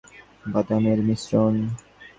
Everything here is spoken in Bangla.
কাচের ছোট্ট বাটিতে নানান ধরনের বাদামের মিশ্রণ।